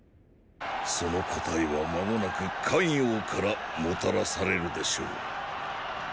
その答えは間もなく咸陽からもたらされるでしょう。